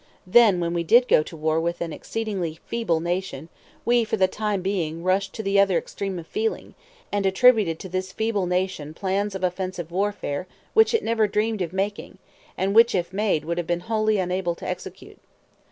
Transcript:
Then when we did go to war with an exceedingly feeble nation, we, for the time being, rushed to the other extreme of feeling, and attributed to this feeble nation plans of offensive warfare which it never dreamed of making, and which, if made, it would have been wholly unable to execute.